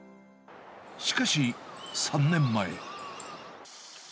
しかし、３年前。